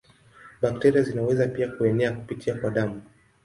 Bakteria zinaweza pia kuenea kupitia kwa damu.